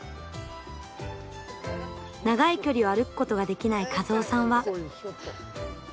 長い距離を歩くことができない一夫さんは。